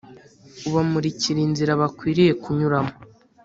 Ubamurikira inzira bakwiriye kunyuramo